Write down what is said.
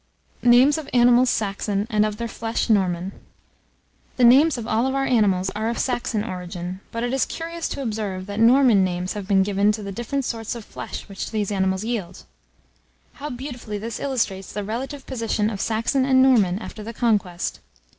NAMES OF ANIMALS SAXON, AND OF THEIR FLESH NORMAN. The names of all our domestic animals are of Saxon origin; but it is curious to observe that Norman names have been given to the different sorts of flesh which these animals yield. How beautifully this illustrates the relative position of Saxon and Norman after the Conquest.